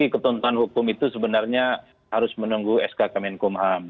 ketentuan hukum itu sebenarnya harus menunggu eskalasi kemenkum ham